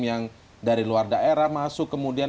yang dari luar daerah masuk kemudian